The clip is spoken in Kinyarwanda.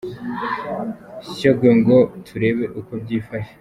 S Shyogwe ngo turebe uko byifashe.